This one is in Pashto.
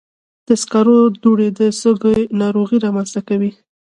د سکرو دوړې د سږي ناروغۍ رامنځته کوي.